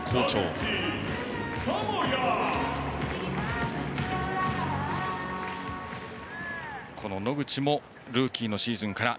打席の野口もルーキーのシーズンから